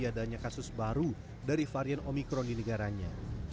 adanya kasus baru dari varian omikron di negaranya